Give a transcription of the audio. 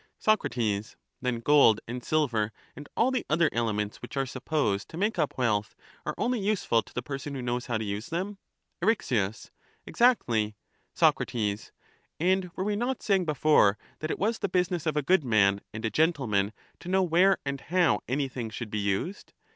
Soc. Then gold and silver and all the other elements which are supposed to make up wealth are only useful to the person who knows how to use them? Eryx. Exactly. Soc. And were we not saying before that it was the business of a good man and a gentleman to know where and how anything should be used?